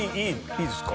いいですか？